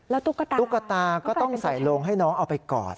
ตุ๊กตาก็ต้องใส่ลงให้น้องเอาไปกอด